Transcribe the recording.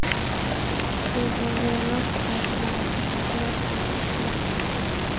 Steven will not have learned his lesson by tomorrow.